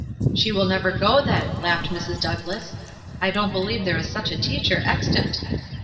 " She will never go then," laughed Mrs. Doug lass. "I don't believe there is such a teacher extant."